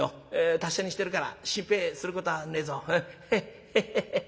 達者にしてるから心配することはねえぞ。ヘヘヘヘ。